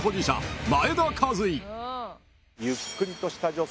ゆっくりとした助走。